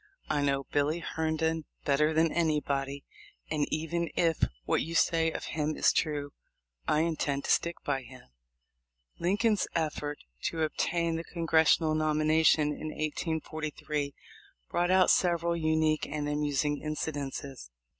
I know Billy Herndon better than anybody, and even if what you say of him is true I intend to stick by him." Lincoln's effort to obtain the Congressional nom ination in 1843 brought out several unique and amusing incidents.